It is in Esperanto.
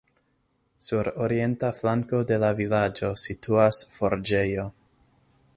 Sur orienta flanko de la vilaĝo situas forĝejo.